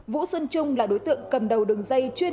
vũ xuân trung là đối tượng cầm đầu đường dây chuyên vận chuyển